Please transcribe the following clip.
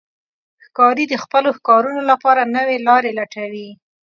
ښکاري د خپلو ښکارونو لپاره نوې لارې لټوي.